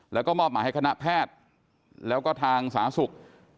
แล้วก็มอบหมายให้คณะแพทย์แล้วก็ทางสาธารณสุข